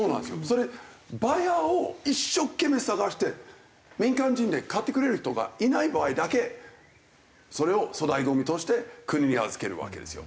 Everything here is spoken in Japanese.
それバイヤーを一生懸命探して民間人で買ってくれる人がいない場合だけそれを粗大ゴミとして国に預けるわけですよ。